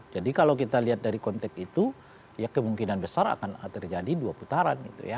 jadi kalau kita lihat dari konteks itu ya kemungkinan besar akan terjadi dua putaran gitu ya